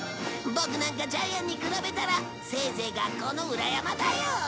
ボクなんかジャイアンに比べたらせいぜい学校の裏山だよ。